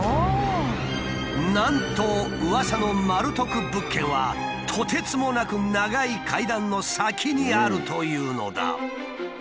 なんとうわさのマル得物件はとてつもなく長い階段の先にあるというのだ。